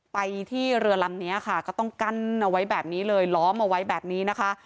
ไปที่เรือลำนี้ค่ะก็ต้องกั้นเอาไว้แบบนี้เลยล้อมเอาไว้แบบนี้นะคะ